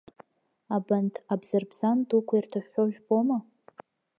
Абанҭ абзарбзан дуқәа ирҭыҳәҳәо жәбома?